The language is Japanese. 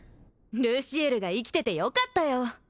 ルシエルが生きててよかったよ